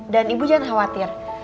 dan ibu jangan khawatir